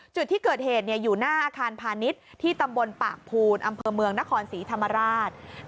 จุดที่เกิดเหตุอยู่หน้าอาคารพาณิชย์ที่ตำบลปากภูนอำเภอเมืองนครศรีธรรมราช